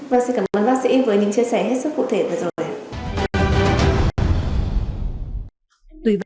vâng xin cảm ơn bác sĩ với những chia sẻ hết sức cụ thể vừa rồi